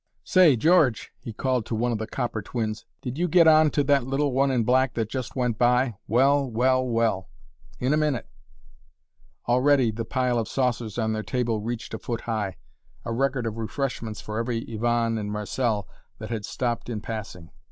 "Say, George!" he called to one of the 'copper twins,' "did you get on to that little one in black that just went by well! well!! well!!! In a minute!!" Already the pile of saucers on their table reached a foot high a record of refreshments for every Yvonne and Marcelle that had stopped in passing.